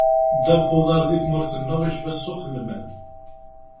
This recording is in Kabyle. Ddabex n uḍar di tmurt-nneɣ icba ssuq n lmal.